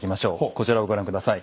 こちらをご覧下さい。